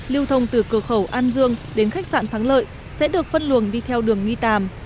lưu thông từ cửa khẩu an dương đến khách sạn thắng lợi sẽ được phân luồng đi theo đường nghi tàm